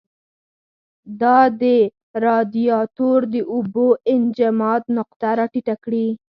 دا د رادیاتور د اوبو انجماد نقطه را ټیټه کړي.